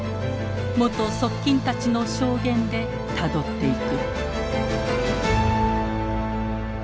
元側近たちの証言でたどっていく。